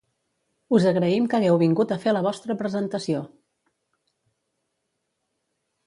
Us agraïm que hagueu vingut a fer la vostra presentació!